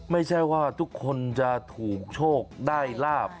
ไม่ใช่ว่าทุกคนจะถูกโชคได้ลาบ